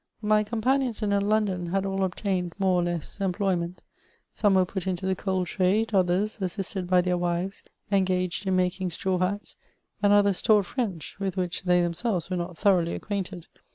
My companions in London had all obtained, more or less, em ployment ; some were put into the coal trade, others, assisted by their wives, engaged in making straw hats, and others taught French, with wfich they themselves were not thoroughly acquainted.